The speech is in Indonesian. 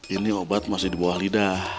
ini obat masih di bawah lidah